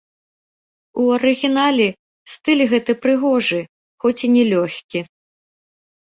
У арыгінале стыль гэты прыгожы, хоць і не лёгкі.